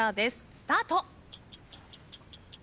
スタート。